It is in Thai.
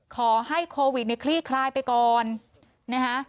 ขอให้โควิดในคลี่คลายไปก่อนนะคะ